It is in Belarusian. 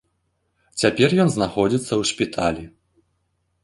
Цяпер ён знаходзіцца ў шпіталі.